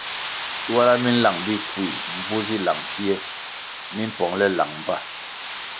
Shuala mi nlang Bikui mbvu zi lang pfie mimpongʼle lang mba.